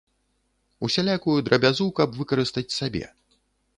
Усялякую драбязу каб выкарыстаць сабе.